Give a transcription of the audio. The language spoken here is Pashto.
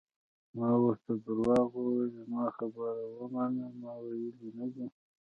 ما ورته درواغ وویل: زما خبره ومنه، ما ویلي نه دي.